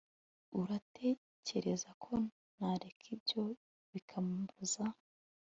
uratekereza ko nareka ibyo bikambuza